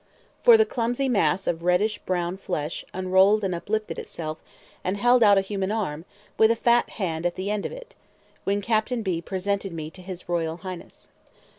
For the clumsy mass of reddish brown flesh unrolled and uplifted itself, and held out a human arm, with a fat hand at the end of it, when Captain B presented me to "his Royal Highness."